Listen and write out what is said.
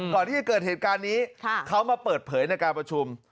ก่อนที่จะเกิดเหตุการณ์นี้เขามาเปิดเผยในการประชุม